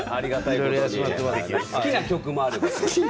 好きな曲もあれば。